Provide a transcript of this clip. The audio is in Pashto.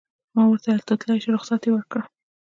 ما ورته وویل: ته تلای شې، رخصت یې ورکړ.